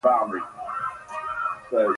زما سترګې سم شی نه وینې